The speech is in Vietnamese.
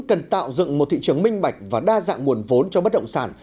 cần tạo dựng một thị trường minh bạch và đa dạng nguồn vốn cho bất động sản